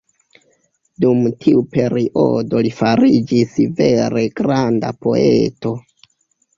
Dum tiu periodo li fariĝis vere granda poeto.